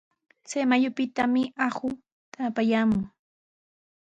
Chay mayupitami aqu apayaamun.